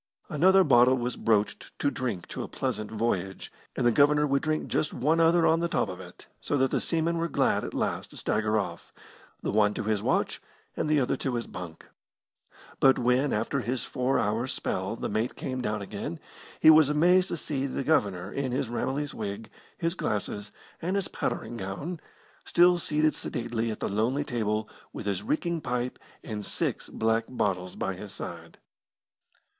Another bottle was broached to drink to a pleasant voyage, and the Governor would drink just one other on the top of it, so that the seamen were glad at last to stagger off the one to his watch, and the other to his bunk. But when, after his four hours' spell, the mate came down again, he was amazed to see the Governor, in his Ramillies wig, his glasses, and his powdering gown, still seated sedately at the lonely table with his reeking pipe and six black bottles by his side.